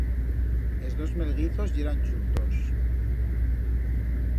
Es dos melguizos yeran chuntos.